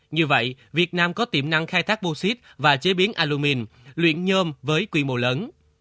như vậy việt nam có tiềm năng khai thác bô xít và chế biến alumin luyện nhôm với quy mô lớn